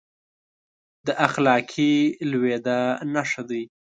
د اخلاقي لوېدا نښه دی.